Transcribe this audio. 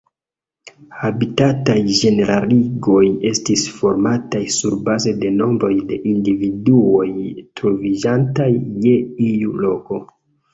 Habitataj ĝeneraligoj estis formataj surbaze de nombroj de individuoj troviĝantaj je iu loko.